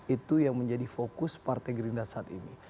itu yang menjadi fokus partai gerindra saat ini